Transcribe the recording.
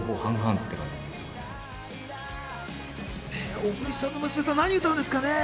小栗さんの娘さん何歌うんですかね。